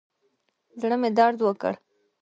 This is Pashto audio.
زړه مې درد وکړ.